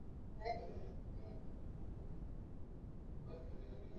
Baba yake ni Mzee Ali Hassan Mwinyi